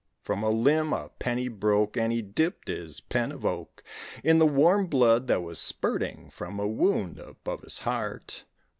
From a limb a pen he broke, And he dipped his pen of oak In the warm blood that was spurting from a wound above his heart.